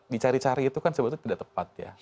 dicari cari itu kan sebetulnya tidak tepat ya